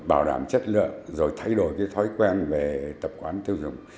bảo đảm chất lượng rồi thay đổi cái thói quen về tập quán tiêu dùng